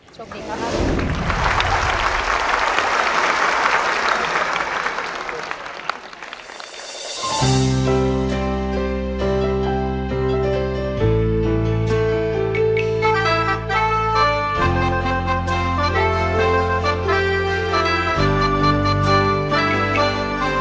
ชมดีครับครับ